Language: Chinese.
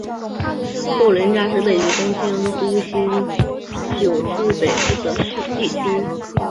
户冢是位于东京都新宿区北部的地区。